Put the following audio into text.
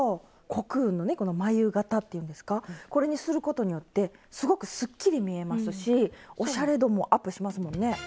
コクーンのねこの繭形っていうんですかこれにすることによってすごくすっきり見えますしおしゃれ度もアップしますもんね。